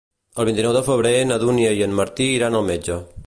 El vint-i-nou de febrer na Dúnia i en Martí iran al metge.